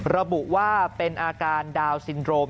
ระบุว่าเป็นอาการดาวนซินโรม